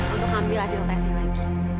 untuk ambil hasil hasil lagi